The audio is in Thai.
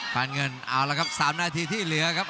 การเงินเอาละครับ๓นาทีที่เหลือครับ